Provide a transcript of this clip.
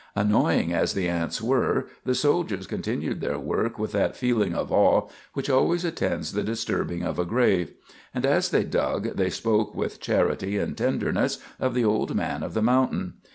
Annoying as the ants were, the soldiers continued their work with that feeling of awe which always attends the disturbing of a grave; and as they dug they spoke with charity and tenderness of the old man of the mountain.